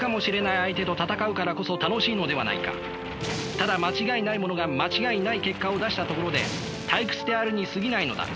ただ間違いないものが間違いない結果を出したところで退屈であるにすぎないのだ。